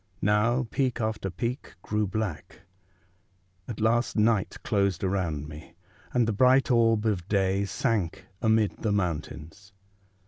Now peak after peak grew black ; at last night closed around me, and the bright orb of day sank amid the mountains.